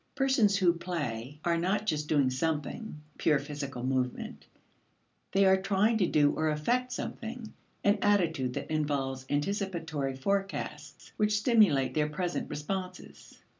Persons who play are not just doing something (pure physical movement); they are trying to do or effect something, an attitude that involves anticipatory forecasts which stimulate their present responses.